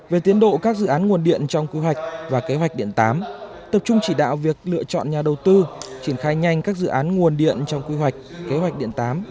về tiến độ các dự án nguồn điện trong quy hoạch và kế hoạch điện tám tập trung chỉ đạo việc lựa chọn nhà đầu tư triển khai nhanh các dự án nguồn điện trong quy hoạch kế hoạch điện tám